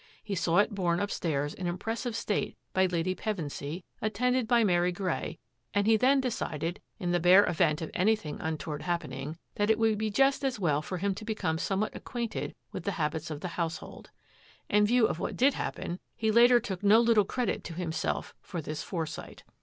He saw it borne upstairs in impressive state by Lady Pevensy, attended by Mary Grey, and he then decided', in the bare event of anything untoward happening, that it would be just as well for him to become somewhat acquainted with the habits of the house hold. In view of what did happen, he later took no little credit to himself for this foresight.